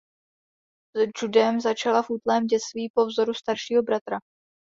S judem začala v útlém dětství po vzoru staršího bratra.